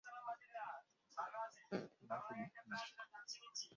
না তুমি, না সে!